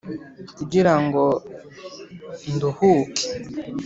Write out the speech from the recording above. kugira ngo nduhuke